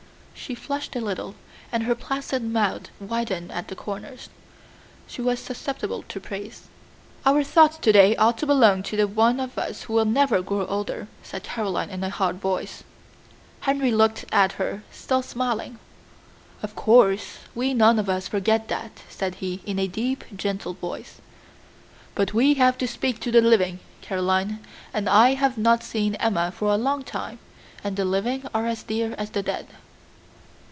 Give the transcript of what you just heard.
She flushed a little, and her placid mouth widened at the corners. She was susceptible to praise. "Our thoughts to day ought to belong to the one of us who will never grow older," said Caroline in a hard voice. Henry looked at her, still smiling. "Of course, we none of us forget that," said he, in a deep, gentle voice; "but we have to speak to the living, Caroline, and I have not seen Emma for a long time, and the living are as dear as the dead."